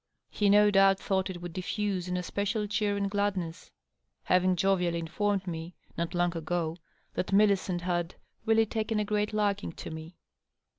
He no doubt thought it would diffuse an especial cheer and gladness, having jovially informed me, not long ago, that Millicent had " really taken a great liking to me."